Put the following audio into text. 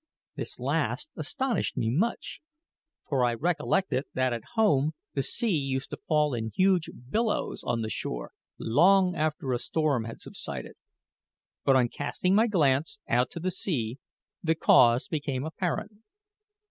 This last astonished me much, for I recollected that at home the sea used to fall in huge billows on the shore long after a storm had subsided. But on casting my glance out to sea the cause became apparent.